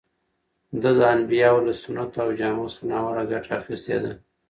ده د انبیاوو له سنتو او جامو څخه ناوړه ګټه اخیستې ده.